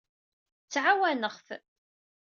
Ttɛawaneɣ-t.